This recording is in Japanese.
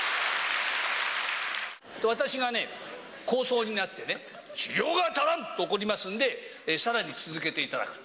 私がね、高僧になってね、修行が足らんと怒りますんで、さらに続けていただく。